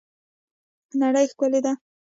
نړۍ ښکلې ده